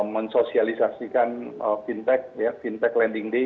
mensosialisasikan fintech ya fintech lending day